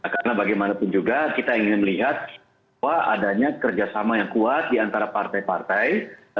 karena bagaimanapun juga kita ingin melihat bahwa adanya kerjasama yang kuat diantara partai partai